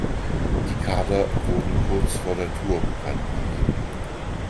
Die Kader werden kurz vor der Tour bekanntgegeben.